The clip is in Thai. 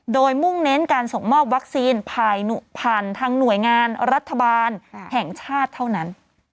โดยมุ่งเน้นการส่งมอบวัคซีนผ่านทางหน่วยงานรัฐบาลแห่งชาติเท่านั้น